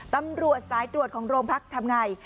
ตำรวจซ้ายตรวจของโรงพักษณ์ทำอย่างไง